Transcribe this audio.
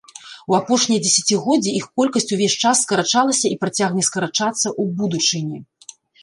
У апошнія дзесяцігоддзі іх колькасць увесь час скарачалася і працягне скарачацца ў будучыні.